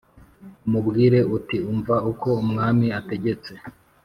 umubwire uti Umva uko Umwami ategetse